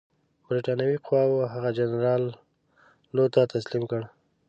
برټانوي قواوو هغه جنرال لو ته تسلیم کړ.